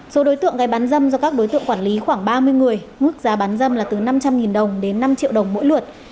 số đối tượng gây bán dâm do các đối tượng quản lý khoảng ba mươi người mức giá bán dâm là từ năm trăm linh đồng đến năm triệu đồng mỗi lượt